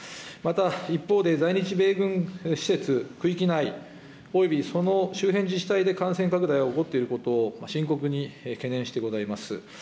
また一方で、在日米軍施設区域内およびその周辺自治体で感染拡大が起こっていることを、深刻に懸念してございます。